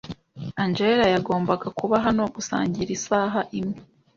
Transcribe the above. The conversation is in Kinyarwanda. Angella yagombaga kuba hano gusangira isaha imwe.